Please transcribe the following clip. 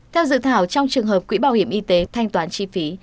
theo dự thảo trong trường hợp quỹ bảo hiểm y tế thanh toán chi phí